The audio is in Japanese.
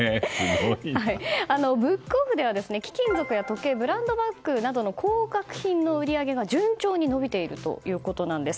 ブックオフでは、貴金属や時計ブランドバッグなどの高額品の売り上げが順調に伸びているんです。